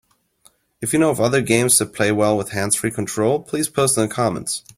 If you know of other games that play well with hands-free control, please post in the comments.